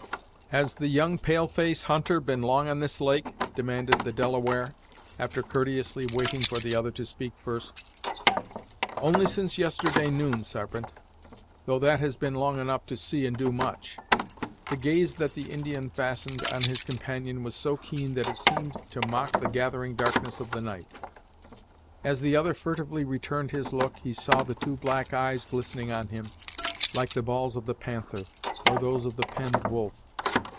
"Has the young pale face hunter been long on this lake?" demanded the Delaware, after courteously waiting for the other to speak first. "Only since yesterday noon, Sarpent, though that has been long enough to see and do much." The gaze that the Indian fastened on his companion was so keen that it seemed to mock the gathering darkness of the night. As the other furtively returned his look, he saw the two black eyes glistening on him, like the balls of the panther, or those of the penned wolf.